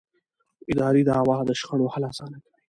اداري دعوې د شخړو حل اسانه کوي.